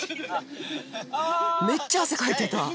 めっちゃ汗かいてた